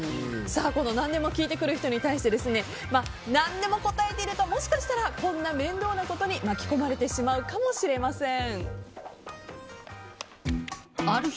何でも聞いてくる人に対して何でも答えているともしかしたらこんな面倒なことに巻き込まれてしまうかもしれません。